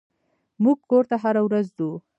موږ کور ته هره ورځ ځو.